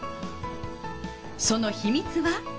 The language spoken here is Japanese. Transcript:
その秘密は。